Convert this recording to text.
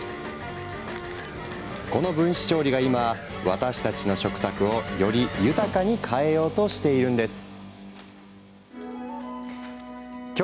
この分子調理が今私たちの食卓をより豊かに変えようとしているんです。